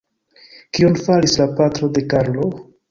Kion faris la patro de Karlo?